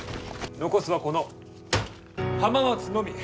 残すはこの浜松のみ。